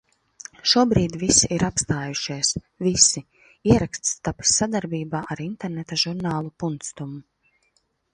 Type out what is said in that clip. Šobrīd visi ir apstājušies. Visi. Ieraksts tapis sadarbībā ar interneta žurnālu Punctum